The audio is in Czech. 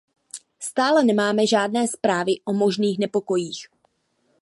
Stále nemáme žádné zprávy o možných nepokojích.